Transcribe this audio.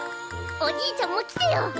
おじいちゃんも来てよ！